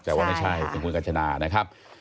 แต่ว่าไม่ใช่เป็นคุณกัญชนานะครับ